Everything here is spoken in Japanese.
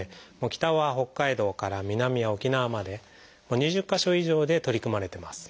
北は北海道から南は沖縄まで２０か所以上で取り組まれてます。